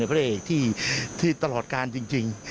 พระเอกที่ตลอดการจริง